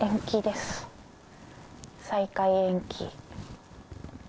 再開延期。